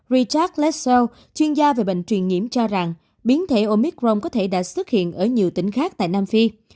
rechat lessel chuyên gia về bệnh truyền nhiễm cho rằng biến thể omicron có thể đã xuất hiện ở nhiều tỉnh khác tại nam phi